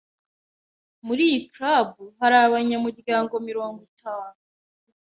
Muri iyi club hari abanyamuryango mirongo itanu.